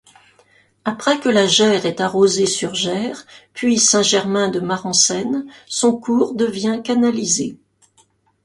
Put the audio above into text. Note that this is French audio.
Après que la Gères ait arrosé Surgères, puis Saint-Germain-de-Marencennes, son cours devient canalisé.